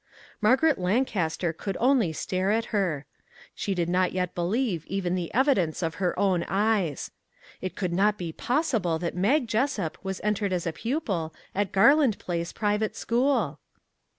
Margaret Lancaster could only stare at her. She did not yet believe even the evidence of her own eyes. It could not be possible that Mag Jessup was entered as a pupil at Garland Place private school!